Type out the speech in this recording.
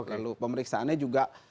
lalu pemeriksaannya juga